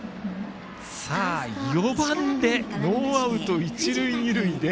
４番で、ノーアウト一塁二塁で。